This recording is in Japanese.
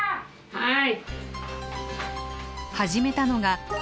はい。